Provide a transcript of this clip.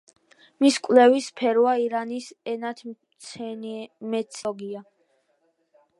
მისი კვლევის სფეროა ირანის ენათმეცნიერება და ფილოლოგია.